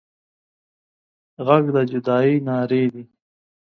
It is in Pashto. غږ د جدايي نارې دي